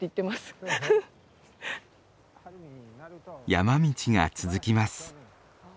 山道が続きます。